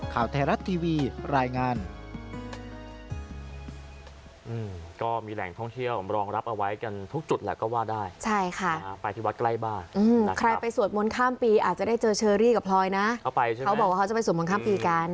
ข่าวไทยรัฐทีวีรายงาน